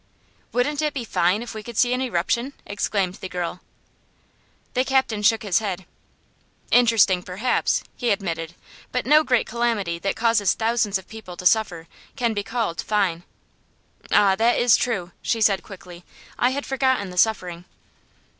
"Wouldn't it be fine if we could see an eruption!" exclaimed the girl. The captain shook his head. "Interesting, perhaps," he admitted; "but no great calamity that causes thousands of people to suffer can be called 'fine.'" "Ah, that is true!" she said, quickly. "I had forgotten the suffering."